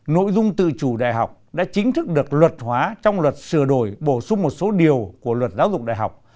nội dung tự chủ đại học đã chính thức được luật hóa trong luật sửa đổi bổ sung một số điều của luật giáo dục đại học